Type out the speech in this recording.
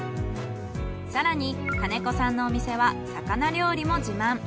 更に兼子さんのお店は魚料理も自慢。